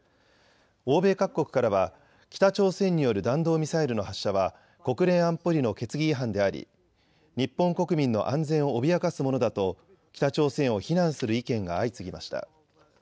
欧米各国からは北朝鮮による弾道ミサイルの発射は国連安保理の決議違反であり日本国民の安全を脅かすものだと北朝鮮を非難する意見が相次ぎました。